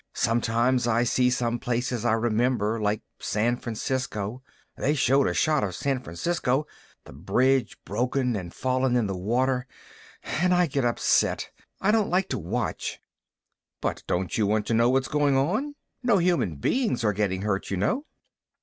Sometimes I see some place I remember, like San Francisco. They showed a shot of San Francisco, the bridge broken and fallen in the water, and I got upset. I don't like to watch." "But don't you want to know what's going on? No human beings are getting hurt, you know."